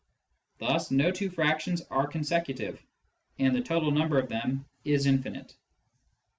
Thus no two fractions are consecutive, and the total number of them is infinite.